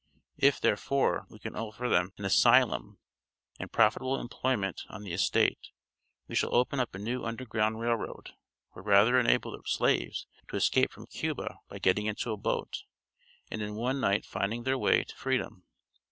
If, therefore, we can offer them an asylum and profitable employment on the estate, we shall open up a new Underground Rail Road, or rather enable the slaves to escape from Cuba by getting into a boat, and in one night finding their way to freedom."